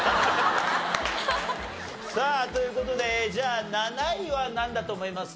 さあという事でじゃあ７位はなんだと思います？